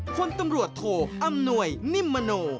พลตำรวจโทอำนวยนิ่มมโน